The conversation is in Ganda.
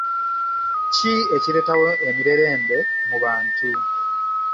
Ki ekireetawo emirerembe mu bantu?